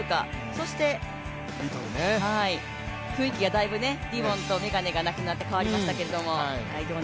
そして雰囲気がだいぶ、リボンと眼鏡がなくなって変わりましたけれども。